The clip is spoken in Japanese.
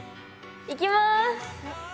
いきます！